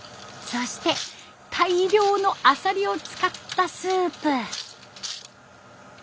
そして大量のあさりを使ったスープ。